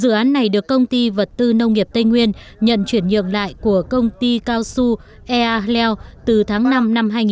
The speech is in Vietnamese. dự án này được công ty vật tư nông nghiệp tây nguyên nhận chuyển nhượng lại của công ty cao su ea hờ leo từ tháng năm năm hai nghìn năm